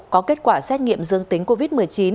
có kết quả xét nghiệm dương tính covid một mươi chín